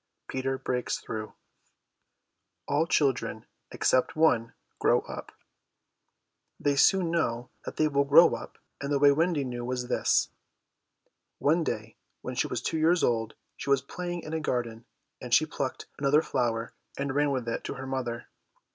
PETER BREAKS THROUGH All children, except one, grow up. They soon know that they will grow up, and the way Wendy knew was this. One day when she was two years old she was playing in a garden, and she plucked another flower and ran with it to her mother.